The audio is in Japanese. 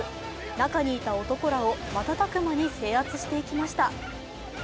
中にいた男らを瞬く間に制圧していきました。